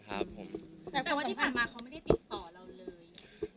แต่ว่าที่ผ่านมาเขาไม่ได้ติดต่อเราเลย